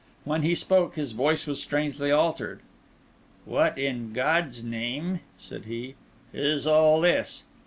When he spoke his voice was strangely altered. "What, in God's name," said he, "is all this?"